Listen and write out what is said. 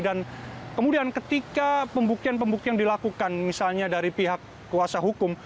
dan kemudian ketika pembuktian pembuktian dilakukan misalnya dari pihak kuasa hukum